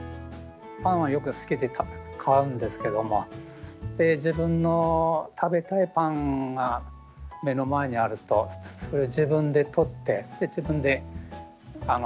パンはよく好きで買うんですけども自分の食べたいパンが目の前にあるとそれを自分で取って自分で買い物かごに入れると。